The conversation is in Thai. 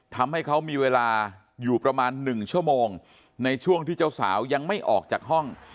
ทำให้เขามีเวลาอยู่ประมาณ๑ชั่วโมงในช่วงที่เจ้าสาวยังไม่ออกจากห้อง